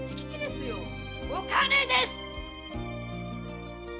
お金ですっ！